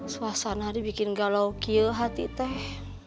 suasana dibikin galau kiu hati teh